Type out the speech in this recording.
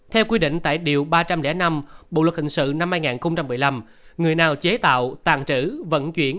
theo quy định tại điều ba trăm linh năm bộ luật hình sự năm hai nghìn một mươi năm người nào chế tạo tàn trữ vận chuyển